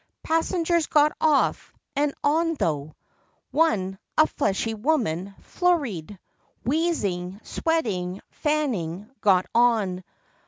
Passengers got off and on, tho'; One, a fleshy woman, flurried, Wheezing, sweating, fanning, got on.